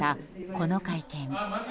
この会見。